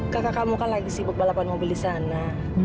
kakak kamu kan lagi sibuk balapan mobil disana